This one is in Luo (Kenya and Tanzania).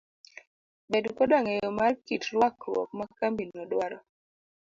Bed koda ng'eyo mar kit rwakruok ma kambino dwaro.